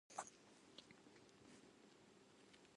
心を燃やせ！